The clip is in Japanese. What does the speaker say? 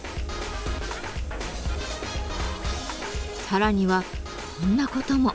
さらにはこんなことも。